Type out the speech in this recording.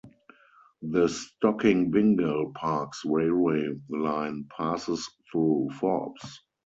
The Stockinbingal-Parkes railway line passes through Forbes.